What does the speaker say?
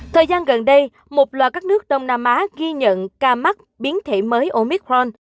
thời gian gần đây một loạt các nước đông nam á ghi nhận ca mắc biến thể mới omicron